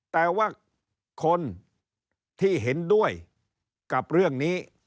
แต่ว่าคนที่เห็นด้วยกับเรื่องนี้